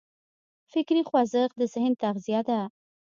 فکري خوځښت د ذهن تغذیه ده.